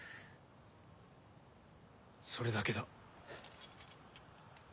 それだけだ。